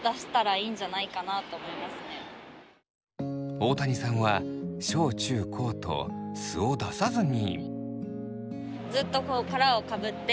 大谷さんは小中高と素を出さずに。